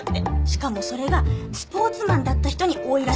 しかもそれがスポーツマンだった人に多いらしいんですよ。